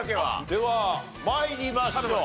では参りましょう。